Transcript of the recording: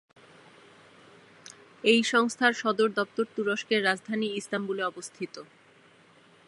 এই সংস্থার সদর দপ্তর তুরস্কের রাজধানী ইস্তাম্বুলে অবস্থিত।